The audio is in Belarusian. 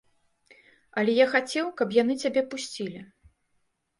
Але я хацеў, каб яны цябе пусцілі.